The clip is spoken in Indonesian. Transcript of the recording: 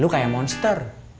lu kayak monster